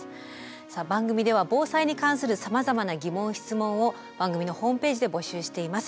さあ番組では防災に関するさまざまな疑問・質問を番組のホームページで募集しています。